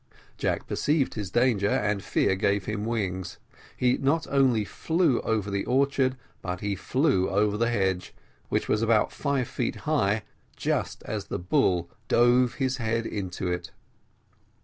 Jack perceived his danger, and fear gave him wings; he not only flew over the orchard, but he flew over the hedge, which was about five feet high, just as the bull drove his head into it.